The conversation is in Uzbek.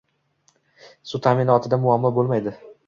Suv ta’minotida muammo bo‘lmaydi